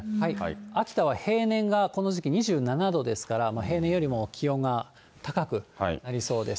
秋田は平年がこの時期２７度ですから、平年よりも気温が高くなりそうです。